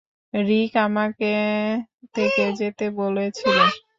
রিক আমাকে থেকে যেতে বলেছিল।